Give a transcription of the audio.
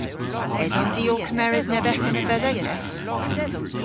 Esons i ow kemeres neb eghen a vedhegneth?